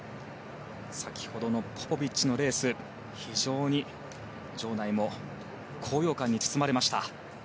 先ほどのポポビッチのレース非常に場内も高揚感に包まれました。